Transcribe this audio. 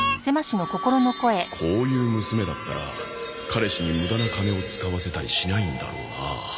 こういう娘だったら彼氏に無駄な金を使わせたりしないんだろうな